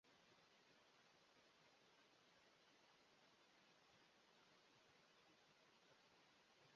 ঘূর্ণন গতিশক্তি উৎপাদন করে বলে বাষ্পীয় টার্বাইন বৈদ্যুতিক জেনারেটর চালনার জন্য খুবই উপযোগী।